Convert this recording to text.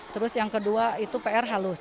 terus yang kedua itu pr halus